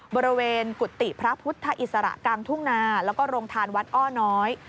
บริเวณกุฏิพระพุทธอิสระกลางทุ่งนาแล้วก็โรงทานวัดอ้อน้อย